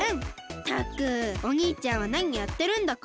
ったくおにいちゃんはなにやってるんだか。